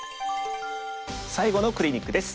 最後のクリニックです。